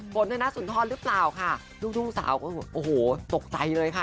ฝนธนสุนทรหรือเปล่าค่ะลูกทุ่งสาวก็โอ้โหตกใจเลยค่ะ